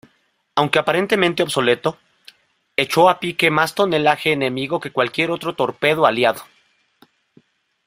Aunque aparentemente obsoleto, echó a pique más tonelaje enemigo que cualquier otro torpedero aliado.